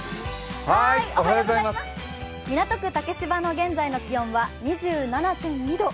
港区竹芝の現在の気温は２７．２度。